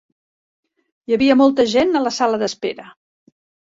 Hi havia molta gent a la sala d'espera.